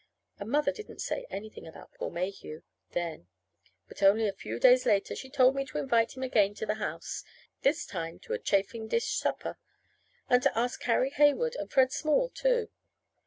And Mother didn't say anything about Paul Mayhew then. But only a few days later she told me to invite him again to the house (this time to a chafing dish supper), and to ask Carrie Heywood and Fred Small, too.